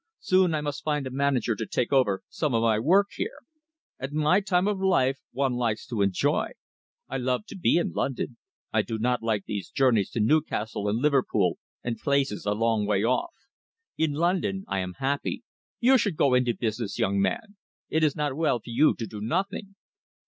Soon I must find a manager to take over some of my work here. At my time of life one likes to enjoy. I love to be in London; I do not like these journeys to Newcastle and Liverpool and places a long way off. In London I am happy. You should go into business, young man. It is not well for you to do nothing."